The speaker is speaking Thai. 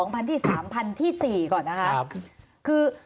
พันที่๓พันที่๔ก่อนนะคะ